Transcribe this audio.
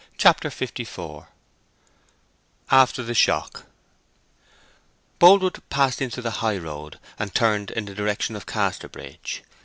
CHAPTER LIV AFTER THE SHOCK Boldwood passed into the high road and turned in the direction of Casterbridge.